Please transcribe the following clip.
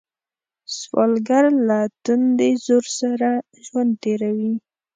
سوالګر له تندي زور سره ژوند تېروي